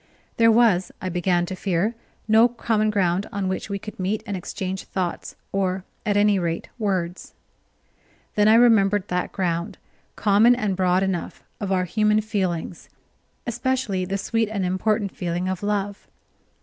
There was, I began to fear, no common ground on which we could meet and exchange thoughts, or, at any rate, words. Then I remembered that ground, common and broad enough, of our human feelings, especially the sweet and important feeling of love.